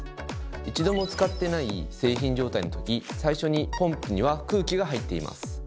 一度も使ってない製品状態の時最初にポンプには空気が入っています。